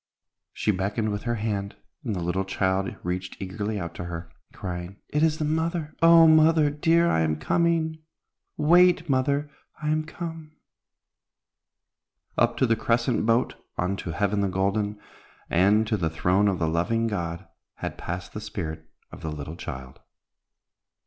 She beckoned with her hand, and the little child reached eagerly out to her, crying, "It is the mother! Oh, mother, dear, I am coming! Wait, mother! I am com " Up to the Crescent Boat on to Heaven the Golden, and to the throne of the loving God, had passed the spirit of the little child.